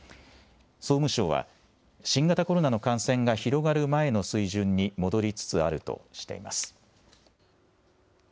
総務省は、新型コロナの感染が広がる前の水準に戻りつつあるとしています。